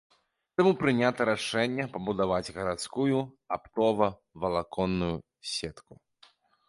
Таму прынята рашэнне пабудаваць гарадскую аптова-валаконную сетку.